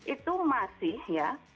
itu masih ya